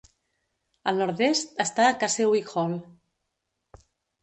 Al nord-est està Casewick Hall.